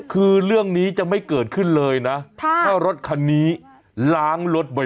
คือเรื่องนี้จะไม่เกิดขึ้นเลยนะถ้ารถคันนี้ล้างรถไว้